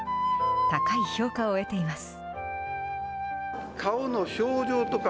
高い評価を得ています。